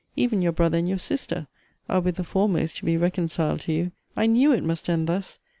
Even your brother and your sister are with the foremost to be reconciled to you. I knew it must end thus!